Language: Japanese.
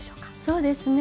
そうですね